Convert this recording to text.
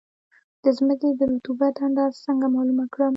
د ځمکې د رطوبت اندازه څنګه معلومه کړم؟